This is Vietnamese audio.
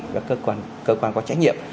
các cơ quan có trách nhiệm